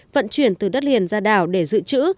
vận chuyển từ đất liền ra đảo để dự trữ